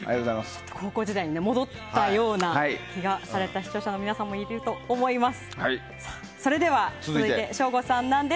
高校時代に戻ったような気がされた視聴者の皆さんもいると思います。